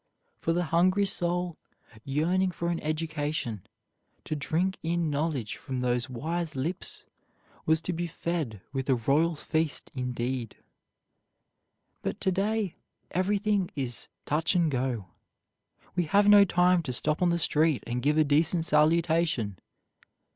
For the hungry soul, yearning for an education, to drink in knowledge from those wise lips was to be fed with a royal feast indeed. But to day everything is "touch and go." We have no time to stop on the street and give a decent salutation.